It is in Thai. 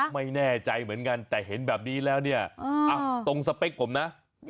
ไม่แน่ใจเหมือนกันแต่เห็นแบบนี้แล้วเนี่ยตรงสเปคผมนะ